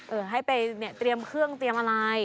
เออให้ไปเตรียมเครื่องเตรียมอะไร